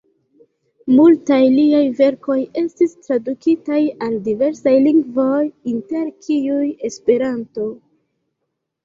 Multaj liaj verkoj estis tradukitaj al diversaj lingvoj, inter kiuj Esperanto.